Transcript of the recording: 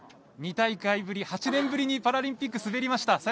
２大会ぶり、８年ぶりにパラリンピックで滑りました。